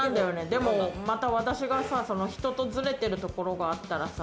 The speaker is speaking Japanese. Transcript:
でも私が人とズレてるところがあったらさ。